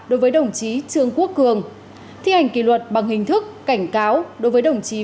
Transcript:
đối với đồng chí trương quốc cường thi hành kỷ luật bằng hình thức cảnh cáo đối với đồng chí